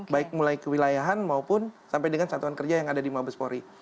baik mulai kewilayahan maupun sampai dengan satuan kerja yang ada di mabespori